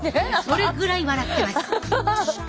それぐらい笑ってます。